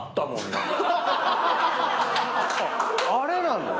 あれなの⁉